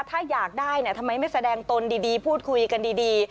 ถ้าอยากได้ทำไมไม่แสดงตนดีพูดคุยกันดี